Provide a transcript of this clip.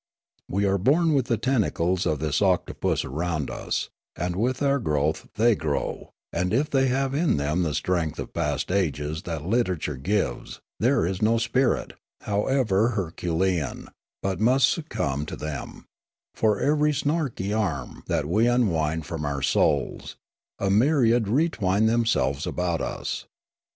We are born with the tentacles of this octopus round us, and with our growth they grow ; and if they have in them the strength of past ages that literature gives, there is Sneekape 175 no spirit, however herculean, but must succumb to them ; for every snaky arm that we unwind from our souls, a myriad retwine themselves about us.